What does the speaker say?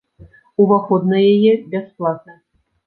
Уваход на яе бясплатны.